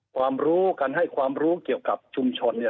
ความรู้การให้ความรู้เกี่ยวกับชุมชนเนี่ย